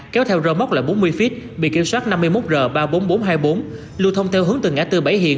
kéo theo rơ móc là bốn mươi feet bị kiểm soát năm mươi một r ba mươi bốn nghìn bốn trăm hai mươi bốn lưu thông theo hướng từ ngã tư bảy hiện